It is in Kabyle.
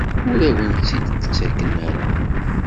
Ur awen-tt-id-ttaken ara?